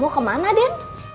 kamu kemana den